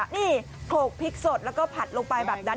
นี่โขลกพริกสดแล้วก็ผัดลงไปแบบนั้น